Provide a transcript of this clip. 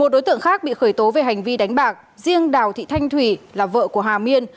một đối tượng khác bị khởi tố về hành vi đánh bạc riêng đào thị thanh thủy là vợ của hà miên